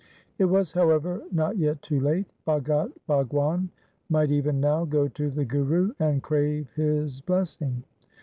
It was, however, not yet too late. Bhagat Bhagwan might even now go to the Guru and crave his blessing.